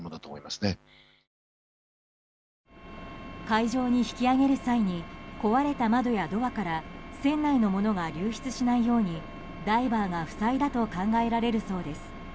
海上に引き揚げる際に壊れた窓やドアから船内のものが流出しないようにダイバーが塞いだと考えられるそうです。